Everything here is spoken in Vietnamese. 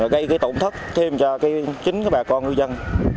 gây cái tổn thất thêm cho chính bà con ngư dân